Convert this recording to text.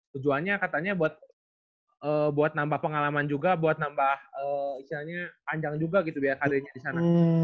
tujuannya katanya buat nambah pengalaman juga buat nambah isinya panjang juga gitu biar karirnya disana